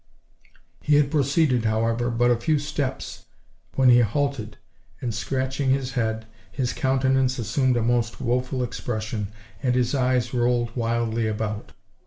He had proceeded, however, but a few steps when he halted, and, scratching his head, his countenance assumed a most woful expression, and his eyes rolled wildly about.